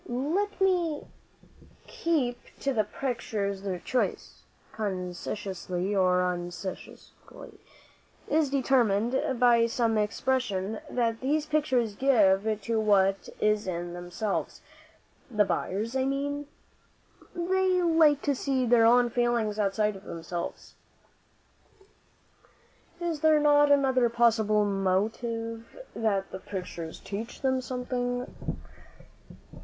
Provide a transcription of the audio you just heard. Let me keep to the pictures: their choice, consciously or unconsciously, is determined by some expression that these pictures give to what is in themselves the buyers, I mean. They like to see their own feelings outside of themselves." "Is there not another possible motive that the pictures teach them something?"